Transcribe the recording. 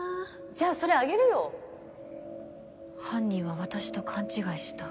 じゃあそれ犯人は私と勘違いした？